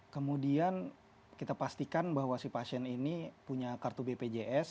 kemudian kita pastikan bahwa si pasien ini punya kartu bpjs